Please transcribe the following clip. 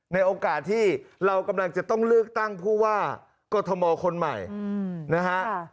ในโอกาสที่เรากำลังจะต้องเลือกตั้งผู้ว่ากรทมคนใหม่นะฮะ